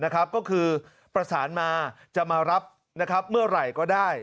ก็คือประสานมาจะมารับเมื่อไหร่ก็ได้